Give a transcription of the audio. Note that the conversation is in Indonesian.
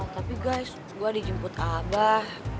tapi guys gue ada jemput abah